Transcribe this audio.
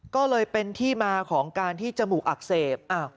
ก็เลยเป็นที่มาของการที่จมูกอักเสบ